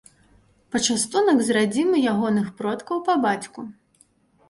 Пачастунак з радзімы ягоных продкаў па бацьку.